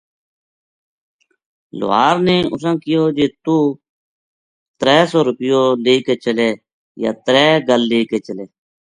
لوہار نے اُساں کہیو جی توہ ترے سو رُپیو لے کے چلے یا ترے گل لے کے چلے